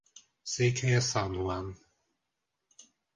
Székhelye San Juan.